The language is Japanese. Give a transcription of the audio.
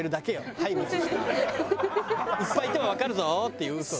「いっぱいいてもわかるぞ」っていう嘘を。